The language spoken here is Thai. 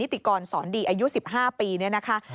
นิติกรศรนต์ดีอายุ๑๕ปีเนี่ยนะครับ